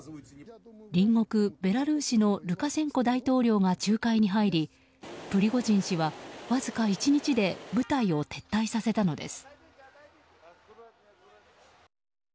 隣国ベラルーシのルカシェンコ大統領が仲介に入りプリゴジン氏は、わずか１日で部隊を撤退させたのです。